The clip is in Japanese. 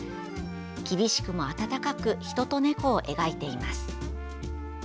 厳しくも温かく人と猫を描いています。